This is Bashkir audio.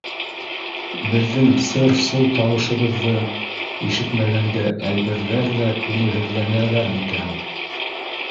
Беҙҙең сыр-сыу тауышыбыҙҙы ишетмәгәнгә әйберҙәр ҙә күңелһеҙләнәләр микән?